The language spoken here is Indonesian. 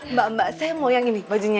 mbak mbak saya mau yang ini bajunya